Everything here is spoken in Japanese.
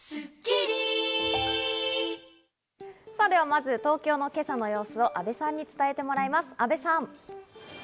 まず東京の今朝の様子を阿部さんに伝えてもらえます、阿部さん！